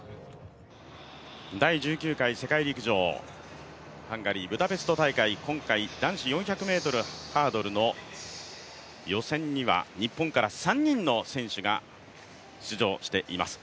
第１９回世界陸上、ハンガリー・ブダペスト大会、今回男子４００ｍハードルの予選には日本から３人の選手が出場しています。